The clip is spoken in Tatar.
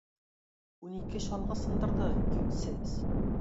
Унике чалгы сындырды, юньсез!